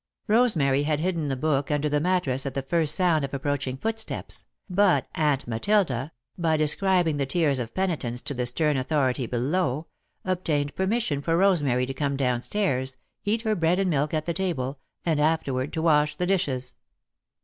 Rosemary had hidden the book under the mattress at the first sound of approaching footsteps, but Aunt Matilda, by describing the tears of penitence to the stern authority below, obtained permission for Rosemary to come down stairs, eat her bread and milk at the table, and, afterward, to wash the dishes.